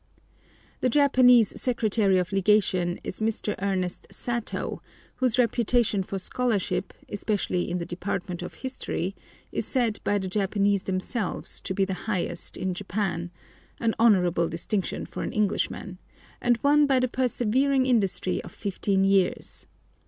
The Japanese Secretary of Legation is Mr. Ernest Satow, whose reputation for scholarship, especially in the department of history, is said by the Japanese themselves to be the highest in Japan —an honourable distinction for an Englishman, and won by the persevering industry of fifteen years.